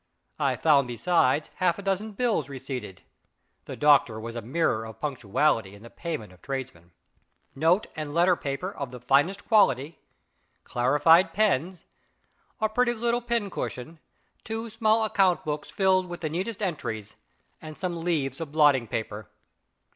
I found besides half a dozen bills receipted (the doctor was a mirror of punctuality in the payment of tradesmen), note and letter paper of the finest quality, clarified pens, a pretty little pin cushion, two small account books filled with the neatest entries, and some leaves of blotting paper.